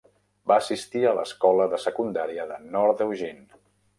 Va assistir a l'escola de secundària de North Eugene.